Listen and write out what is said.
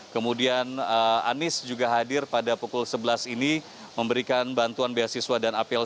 kemudian anies juga hadir pada pukul sebelas ini memberikan bantuan beasiswa dan apel